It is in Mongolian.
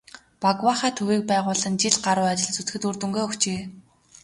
"Багваахай" төвийг байгуулан жил гаруй ажиллаж үзэхэд үр дүнгээ өгчээ.